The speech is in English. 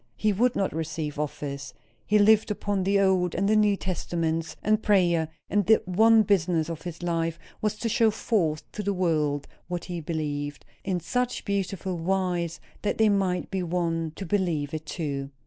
He would not receive office. He lived upon the Old and New Testaments, and prayer; and the one business of his life was to show forth to the world what he believed, in such beautiful wise that they might be won to believe it too."